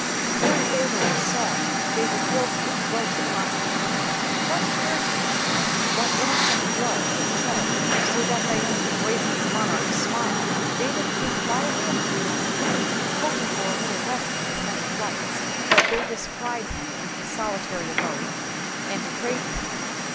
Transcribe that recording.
To curry favour with Saul they were guilty of gross inhospUalUy. Whai cared they whai innocent blood was shed so thai they earned Hie graceless monarch's smile! David came quietly among them, hoping for a little rest in his many flights, but they descried him in Ms solilary abode, and betrayed him.